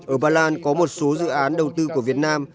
ở ba lan có một số dự án đầu tư của việt nam